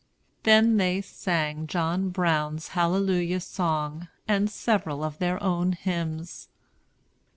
Then they sang John Brown's Hallelujah Song, and several of their own hymns.